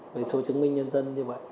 với số chứng minh nhân dân như vậy